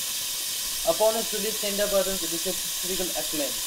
Upon its release, "Tender Buttons" received critical acclaim.